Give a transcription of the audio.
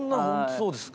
そうですか。